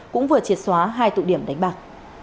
cũng vừa triệt xóa hai tụ điểm đánh bạc